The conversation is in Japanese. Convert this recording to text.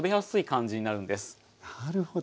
なるほど。